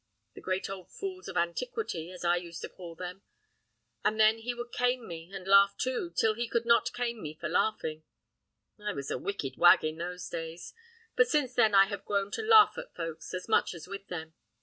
The great old fools of antiquity, as I used to call them; and then he would cane me, and laugh too, till he could not cane me for laughing. I was a wicked wag in those days; but since then I have grown to laugh at folks as much as with them.